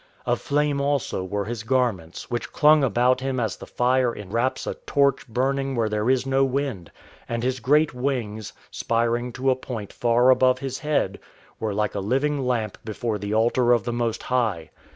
Of flame also were his garments, which clung about him as the fire enwraps a torch burning where there is no wind; and his great wings, spiring to a point far above his head, were like a living lamp before the altar of the Most High.